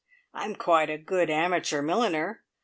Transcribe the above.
I'm quite a good amateur milliner.